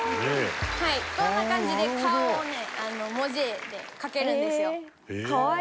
はいこんな感じで顔をね文字絵で描けるんですよ。